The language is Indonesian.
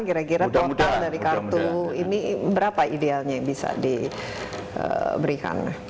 kira kira total dari kartu ini berapa idealnya yang bisa diberikan